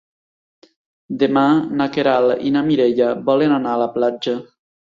Demà na Queralt i na Mireia volen anar a la platja.